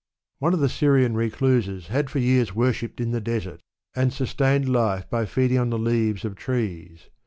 281 One of the Syrian recluses had for years worshipped in the desert^ and sustained life by feeding on the leaves of trees.